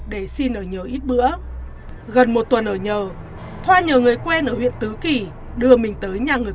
để xin ở nhờ ít bữa gần một tuần ở nhờ thoa nhờ người quen ở huyện tứ kỳ đưa mình tới nhà người